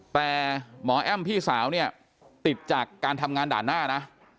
แต่หมอแอ้มพี่สาวเนี่ยติดจากการทำงานด่านหน้านะ